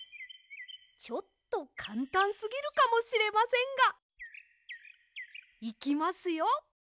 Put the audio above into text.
ちょっとかんたんすぎるかもしれませんが。いきますよ！